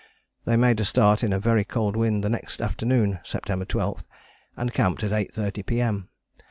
They made a start in a very cold wind the next afternoon (September 12) and camped at 8.30 P.M.